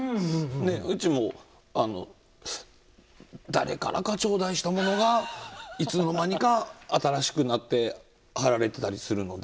うちも誰からか頂戴したものがいつの間にか新しくなって貼られていたりするので。